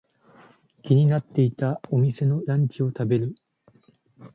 気になっていたお店のランチを食べる。